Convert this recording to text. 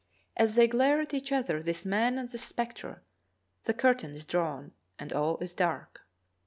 As they glare at each other, this man and this spectre, the curtain is drawn and all is dark."